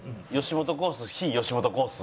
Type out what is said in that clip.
吉本コース